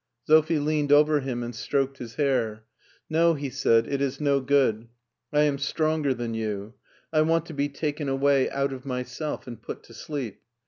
Sophie leaned over him and stroked his hair. " No," he said, " it is no good — I am stronger than you. I want to be taken away out of myself and put to sleep.